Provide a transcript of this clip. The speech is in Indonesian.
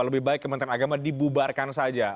lebih baik kementerian agama dibubarkan saja